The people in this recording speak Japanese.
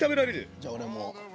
じゃ俺も。